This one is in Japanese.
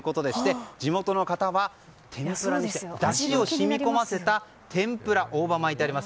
地元の方はだしをしみ込ませた天ぷら、大葉も巻いてあります。